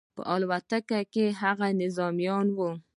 په دې الوتکه کې هغه نظامیان وو